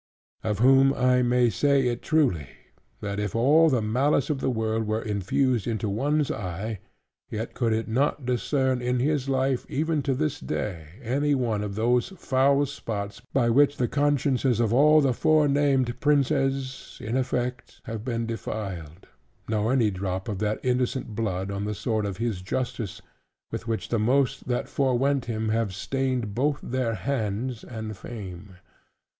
Of whom I may say it truly, "That if all the malice of the world were infused into one eye: yet could it not discern in his life, even to this day, any one of these foul spots, by which the consciences of all the forenamed princes (in effect) have been defiled; nor any drop of that innocent blood on the sword of his justice, with which the most that fore went him have stained both their hands and fame."